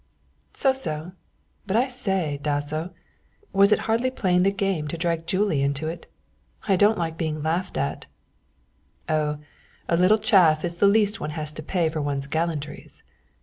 "So so, but I say, Dasso, was it hardly playing the game to drag Julie into it? I don't like being laughed at." "Oh, a little chaff is the least one has to pay for one's gallantries."